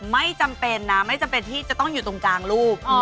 ไม่จำเป็นนะไม่จำเป็นที่จะต้องอยู่ตรงกลางลูก